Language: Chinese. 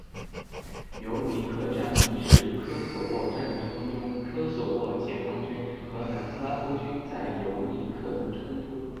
尤尼克战役是科索沃战争中科索沃解放军和南斯拉夫军在尤尼克的冲突。